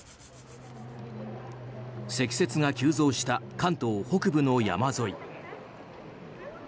積雪が急増した関東北部の山沿い。